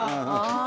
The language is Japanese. あ。